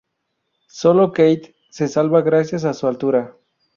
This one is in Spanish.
Sólo Katie se salva, gracias a su altura.